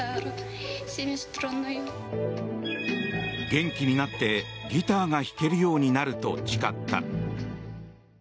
元気になってギターが弾けるようになると誓った。